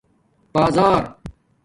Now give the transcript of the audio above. بازار